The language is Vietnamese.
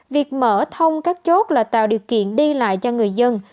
việc mở thông các chốt là tạo điều kiện đi lại cho người dân